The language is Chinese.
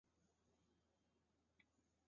台湾隐柱兰为兰科隐柱兰属下的一个变种。